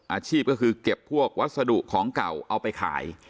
อาชีพก็คือเก็บพวกวัสดุของเก่าเอาไปขาย